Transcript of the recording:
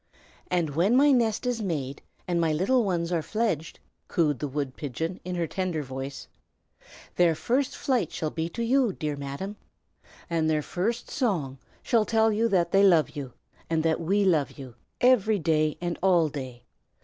"And when my nest is made, and my little ones are fledged," cooed the wood pigeon in her tender voice, "their first flight shall be to you, dear Madam, and their first song shall tell you that they love you, and that we love you, every day and all day.